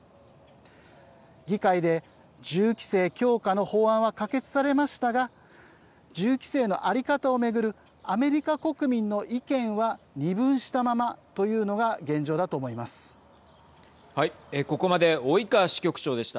議会で銃規制強化の法案は可決されましたが銃規制の在り方を巡るアメリカ国民の意見は二分したままというのが現状だと思います。